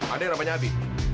ada yang ramahnya abi